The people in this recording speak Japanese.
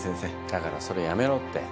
だからそれやめろって。